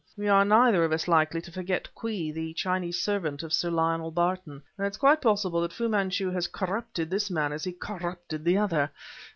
We are neither of us likely to forget Kwee, the Chinese servant of Sir Lionel Barton, and it is quite possible that Fu Manchu has corrupted this man as he corrupted the other.